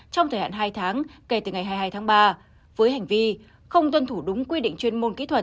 trong thời hạn hai tháng kể từ ngày hai mươi hai tháng ba với hành vi không tuân thủ đúng quy định chuyên môn kỹ thuật